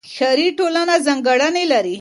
ښاري ټولنه ځانګړنې لري.